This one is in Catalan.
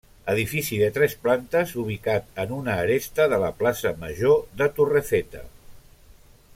Edifici de tres plantes ubicat en una aresta de la Plaça Major de Torrefeta.